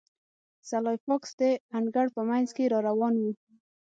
سلای فاکس د انګړ په مینځ کې را روان و